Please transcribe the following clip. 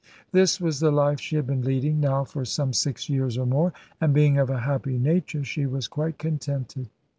This was the life she had been leading, now for some six years or more; and being of a happy nature, she was quite contented.